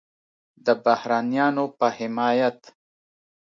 د بهرنیانو په حمایت